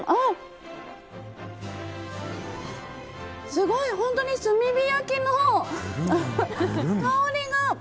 すごい、本当に炭火焼きの香りが。